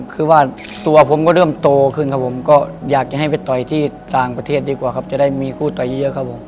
คือว่าตัวผมก็เริ่มโตขึ้นครับผมก็อยากจะให้ไปต่อยที่ต่างประเทศดีกว่าครับจะได้มีคู่ต่อยเยอะครับผม